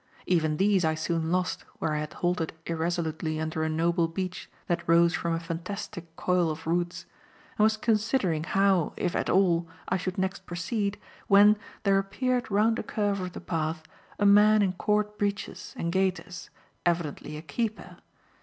Even these I soon lost where I had halted irresolutely under a noble beech that rose from a fantastic coil of roots, and was considering how, if at all, I should next proceed, when, there appeared round a curve of the path a man in cord breeches and gaiters, evidently a keeper.